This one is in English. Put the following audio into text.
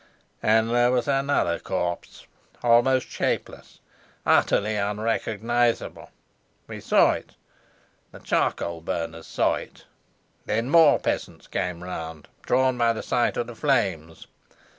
And there was another corpse, almost shapeless, utterly unrecognizable. We saw it; the charcoal burners saw it. Then more peasants came round, drawn by the sight of the flames.